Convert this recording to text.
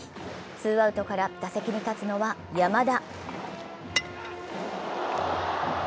ツーアウトから打席に立つのは山田。